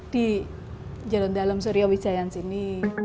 di jalan dalam suryawijaya yang sini